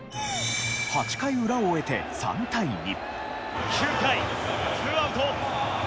８回裏を終えて３対２。